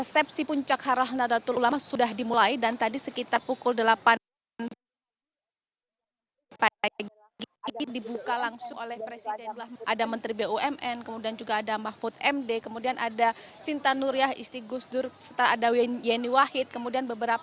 selamat pagi eka rima